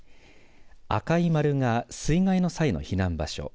赤い丸が水害の際の避難場所